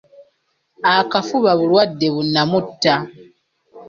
Akafuba bulwadde bu nnamutta.